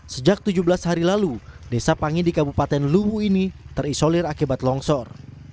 sejak tujuh belas hari lalu desa panggi di kabupaten luwu ini terisolir akibat longsor